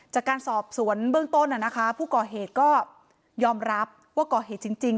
จากการสอบสวนเบื้องต้นผู้ก่อเหตุก็ยอมรับว่าก่อเหตุจริง